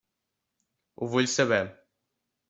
Ho vull saber.